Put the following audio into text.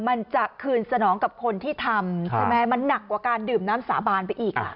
มันจะคืนสนองกับคนที่ทำใช่ไหมมันหนักกว่าการดื่มน้ำสาบานไปอีกอ่ะ